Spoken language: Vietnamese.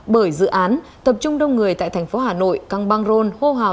bởi dự án tập trung đông người tại thành phố hà nội căng băng rôn hô hào